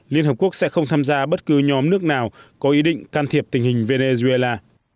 liên hợp quốc sẽ không tham gia bất cứ nhóm nước nào có ý định can thiệp tình hình venezuela